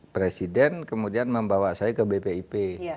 presiden kemudian membawa saya ke bpip